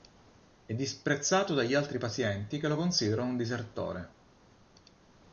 È disprezzato dagli altri pazienti che lo considerano un disertore.